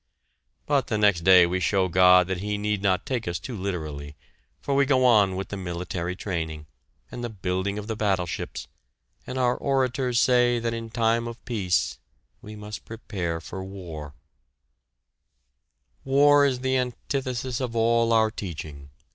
But the next day we show God that he need not take us too literally, for we go on with the military training, and the building of the battleships, and our orators say that in time of peace we must prepare for war. War is the antithesis of all our teaching.